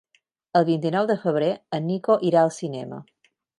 El vint-i-nou de febrer en Nico irà al cinema.